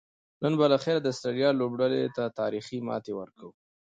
نن به لخیره د آسترالیا لوبډلې ته تاریخي ماته ورکوو